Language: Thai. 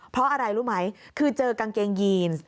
เพราะอะไรรู้ไหมคือเจอกางเกงยีน